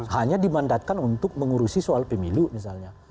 hanya dimandatkan untuk mengurusi soal pemilu misalnya